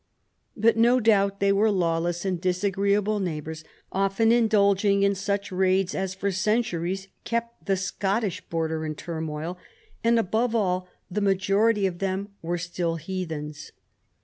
But no doubt they were lawless and disagreeable neighbors, often indulging in such raids as for centuries kept the Scottish Border in turmoil, and above all the majority of 140 CHARLEMAGNE. them were still heathens.